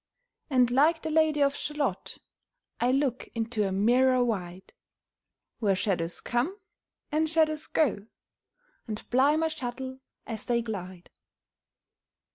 And like the Lady of Shalott I look into a mirror wide, Where shadows come, and shadows go, And ply my shuttle as they glide.